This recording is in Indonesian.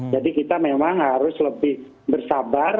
jadi kita memang harus lebih bersabar